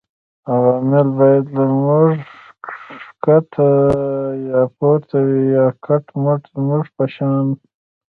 عوامل باید له موږ ښکته یا پورته وي یا کټ مټ زموږ په شان